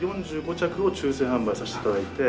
４５着を抽選販売させて頂いて。